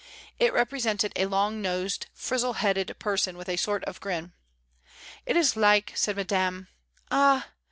It represented a long nosed, frizzle headed person with a sort of grin. "It is like," said Madame. "Ah!